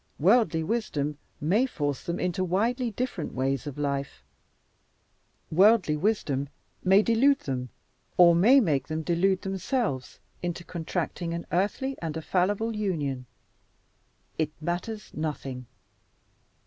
Worldly wisdom may force them into widely different ways of life; worldly wisdom may delude them, or may make them delude themselves, into contracting an earthly and a fallible union. It matters nothing.